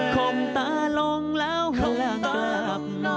คมตาลงแล้วหากกลับ